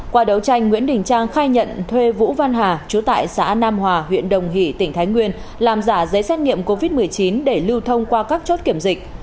qua đấu tranh nguyễn đình trang khai nhận thuê vũ văn hà chú tại xã nam hòa huyện đồng hỷ tỉnh thái nguyên làm giả giấy xét nghiệm covid một mươi chín để lưu thông qua các chốt kiểm dịch